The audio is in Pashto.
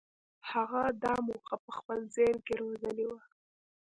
هغه دا موخه په خپل ذهن کې روزلې وه.